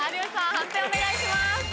判定お願いします。